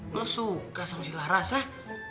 lo suka sama si laras ah